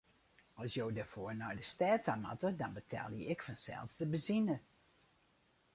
As jo derfoar nei de stêd ta moatte, dan betelje ik fansels de benzine.